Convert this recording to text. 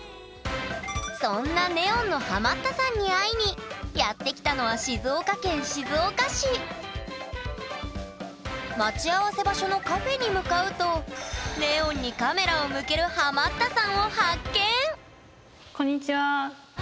そんなネオンのハマったさんに会いにやって来たのは待ち合わせ場所のカフェに向かうとネオンにカメラを向けるこんにちは。